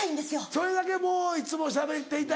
それだけもういつもしゃべっていたいのか。